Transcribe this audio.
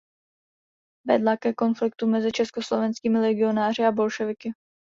Vedla ke konfliktu mezi československými legionáři a bolševiky.